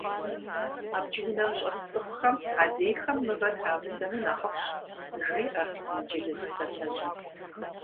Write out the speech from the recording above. Абдж унэм щӏэс цӏыхухэм адрейхэм мывэ трамыдзэмэ нэхъыфӏщ, жеӏэр инджылыз псалъэжьым.